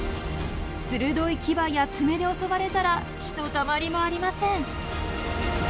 鋭い牙や爪で襲われたらひとたまりもありません。